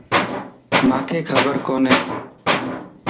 مانک خبر ڪوني